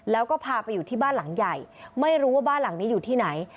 แล้วก็พาไปอยู่ที่บ้านหลังใหญ่ไม่รู้ว่าบ้านหลังนี้อยู่ที่ไหน